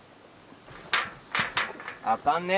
あかんね。